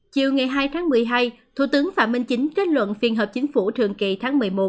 chiều ngày hai tháng một mươi hai thủ tướng phạm minh chính kết luận phiên họp chính phủ thường kỳ tháng một mươi một